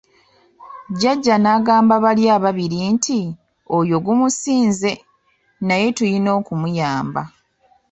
Jjaja n'agamba bali ababiri nti, oyo gumusinze, naye tuyina okumuyamba.